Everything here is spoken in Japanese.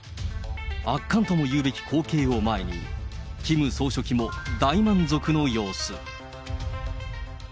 圧巻ともいうべき光景を前に、キム総書記も大満足の様子。